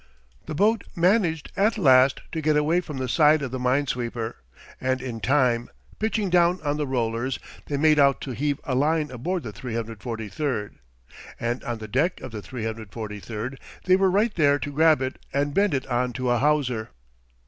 The boat managed at last to get away from the side of the mine sweeper, and in time, pitching down on the rollers, they made out to heave a line aboard the 343. And on the deck of the 343 they were right there to grab it and bend it on to a hawser.